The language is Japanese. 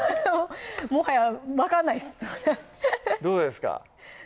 もはや分かんないですどうですか？